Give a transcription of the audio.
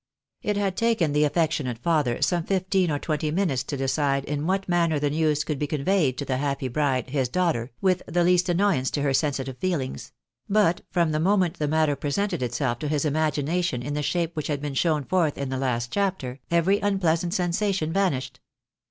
It had taken the affectionate father some fifteen or twenty minutes to decide in what manner the news could be conveyed to the happy bride, his daughter, with the least annoyance to her sensitive feelings ; but from the moment the matter presented itself to his imagination in the shape which has been shown forth in the last chapter, every tmpleasant sensation vanished.